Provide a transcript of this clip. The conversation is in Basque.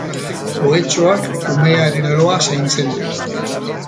Ohetxoak umearen loa zaintzen du.